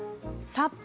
札幌。